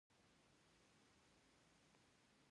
دویمه ډله دې د نهه کسیزې شورا د دندې په اړه خبرې وکړي.